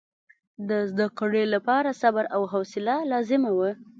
د زده کړې لپاره صبر او حوصله لازمي وه.